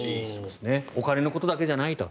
お金のことだけじゃないんだと。